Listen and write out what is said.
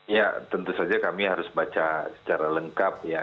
ya tentu saja kami harus baca secara lengkap ya